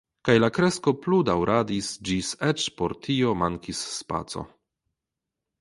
Kaj la kresko plu daŭradis ĝis eĉ por tio mankis spaco.